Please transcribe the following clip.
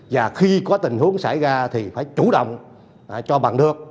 và khi có tình huống xảy ra thì phải chủ động cho bằng được